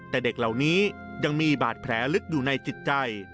แต่เด็กเหล่านี้ยังมีบาดแผลลึกอยู่ในจิตใจ